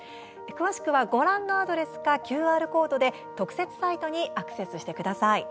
詳しくは、ご覧のアドレスかＱＲコードで特設サイトにアクセスしてください。